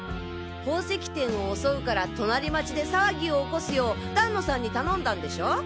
宝石店を襲うから隣町で騒ぎを起こすよう団野さんに頼んだんでしょう？